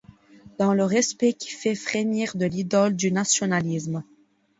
Dans le respect qui fait frémir de l'idole du nationalisme.